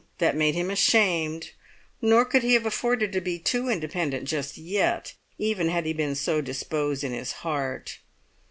That made him ashamed; nor could he have afforded to be too independent just yet, even had he been so disposed in his heart.